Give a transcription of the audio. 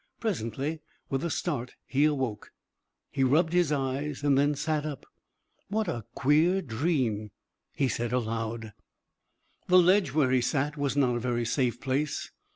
Presently with a start he awoke. He rubbed his eyes, and then sat up. "What a queer dream!" he said aloud. The ledge where he sat was not a very safe place.